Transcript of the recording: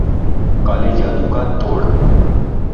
کالے جادو کا توڑ